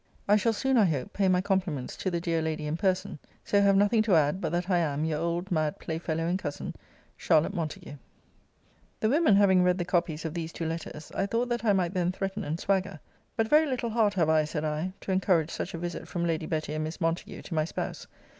I shall soon, I hope, pay my compliments to the dear lady in person: so have nothing to add, but that I am Your old mad Playfellow and Cousin, CHARLOTTE MONTAGUE. The women having read the copies of these two letters, I thought that I might then threaten and swagger 'But very little heart have I, said I, to encourage such a visit from Lady Betty and Miss Montague to my spouse.